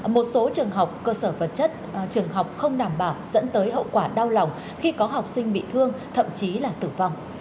một số trường học cơ sở vật chất trường học không đảm bảo dẫn tới hậu quả đau lòng khi có học sinh bị thương thậm chí là tử vong